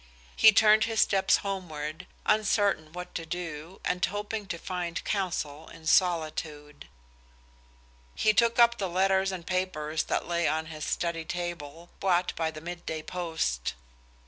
He turned his steps homeward, uncertain what to do, and hoping to find counsel in solitude. He took up the letters and papers that lay on his study table, brought by the mid day post.